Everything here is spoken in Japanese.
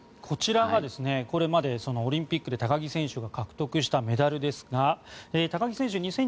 こちらがこれまでオリンピックで高木選手が獲得したメダルですが高木選手